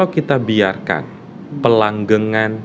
kita biarkan pelanggengan